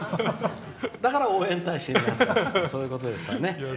だから応援大使になったという話ですね。